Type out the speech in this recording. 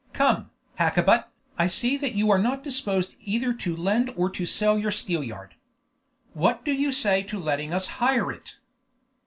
"Come, Hakkabut, I see that you are not disposed either to lend or to sell your steelyard. What do you say to letting us hire it?"